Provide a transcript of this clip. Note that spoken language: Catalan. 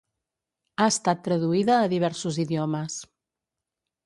Ha estat traduïda a diversos idiomes.